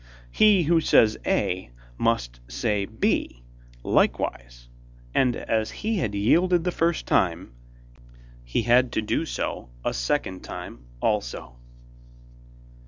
He who says A must say B, likewise, and as he had yielded the first time, he had to do so a second time also.